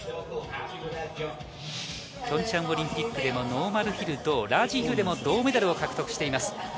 ピョンチャンオリンピックのノーマルヒル、ラージヒルでも銅メダルを獲得しています。